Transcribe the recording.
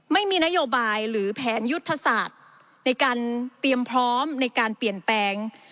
ไม่มีนโยบายหรือแผนยุทธศาสตร์ในการเตรียมพร้อมในการเปลี่ยนแปลง